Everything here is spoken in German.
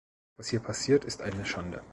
Was hier passiert, ist eine Schande!